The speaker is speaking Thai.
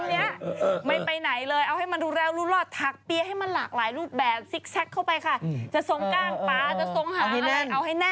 ก็หาให้มันดูแปลกแล้วก็แบบไม้น้ำตั้งแต่๘โมลด์ถึง๓พรุ่งอ่ะคุณแม่น้ำ